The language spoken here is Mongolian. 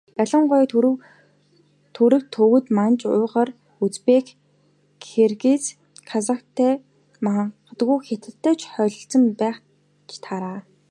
Ялангуяа Түрэг, Төвөд, Манж, Уйгар, Узбек, Киргиз, Казахтай магадгүй Хятадтай ч холилдсон байж таараа.